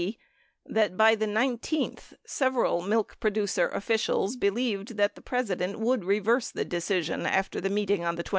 D., that by the 19th, several milk producer officials believed that the President would reverse the decision after the meeting on the 23d.